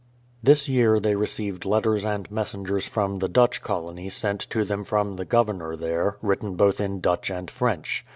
This year they received letters and messengers from the Dutch colony sent to them from the Governor there, written both in Dutch and French.